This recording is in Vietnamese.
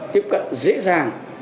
tiếp cận dễ dàng